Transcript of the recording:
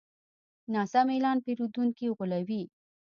ناسم اعلان پیرودونکي غولوي.